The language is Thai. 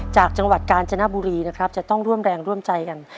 จากจังหวัดกาญจนบุรีนะครับจะต้องร่วมแรงร่วมใจกัน